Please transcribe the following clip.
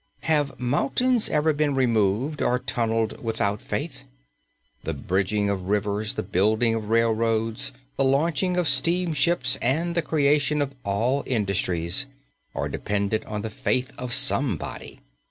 Have mountains ever been removed or tunnelled without faith? The bridging of rivers, the building of railroads, the launching of steamships, and the creation of all industries are dependent on the faith of somebody.